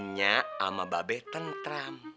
nyak sama babe tentram